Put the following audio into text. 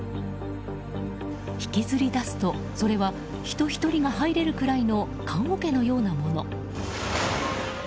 引きずり出すと、それは人１人が入れるくらいの棺桶のようなもの。